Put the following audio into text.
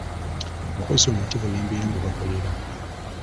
Abakozi si bamativu n'embeera mwe bakolera.